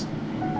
eh lo tau gak